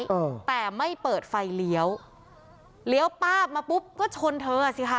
เออแต่ไม่เปิดไฟเลี้ยวเลี้ยวป้าบมาปุ๊บก็ชนเธออ่ะสิค่ะ